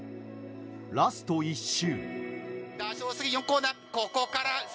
ラスト１周。